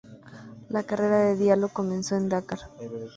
La carrera de Diallo comenzó en Dakar.